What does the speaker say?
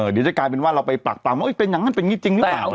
เดี๋ยวจะกลายเป็นว่าเราไปปากตามว่าเป็นอย่างนั้นเป็นอย่างนี้จริงหรือเปล่า